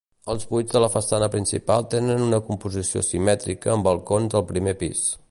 Els buits de la façana principal tenen una composició simètrica amb balcons al primer pis.